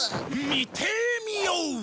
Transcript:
見てみよう！